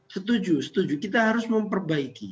setuju setuju kita harus memperbaiki